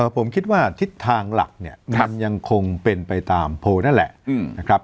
ผมคิดว่าทิศทางหลักเนี่ยมันยังคงเป็นไปตามโพลนั่นแหละนะครับ